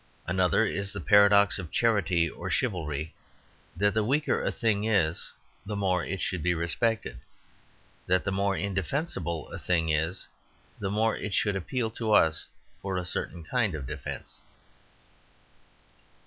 Another is the paradox of charity or chivalry that the weaker a thing is the more it should be respected, that the more indefensible a thing is the more it should appeal to us for a certain kind of defence.